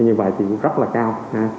như vậy thì rất là cao